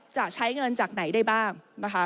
จะใช้เงินจากไหนได้บ้างนะคะ